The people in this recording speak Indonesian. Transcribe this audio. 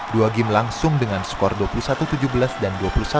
dua game langsung dengan skor dua puluh satu tujuh belas dan dua puluh satu